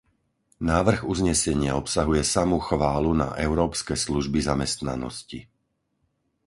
Návrh uznesenia obsahuje samú chválu na európske služby zamestnanosti.